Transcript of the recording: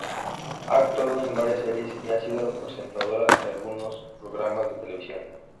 Ha actuado en varias series y ha sido presentadora de algunos programas de televisión.